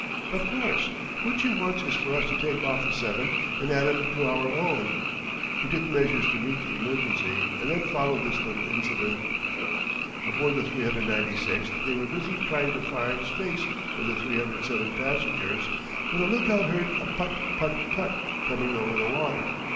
"Of course, what she wants is for us to take off the seven and add 'em to our own." He took measures to meet the emergency, and then followed this little incident: Aboard the 396 they were busy trying to find space for their 307 passengers when a lookout heard a Putt! putt! putt! coming over the water.